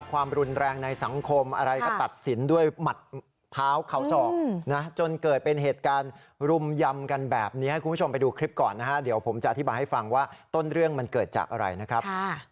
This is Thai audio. ความรุนแรงในสังคมอะไรก็ตัดสินด้วยหมัดเท้าเขาศอกนะจนเกิดเป็นเหตุการณ์รุมยำกันแบบนี้ให้คุณผู้ชมไปดูคลิปก่อนนะฮะเดี๋ยวผมจะอธิบายให้ฟังว่าต้นเรื่องมันเกิดจากอะไรนะครับ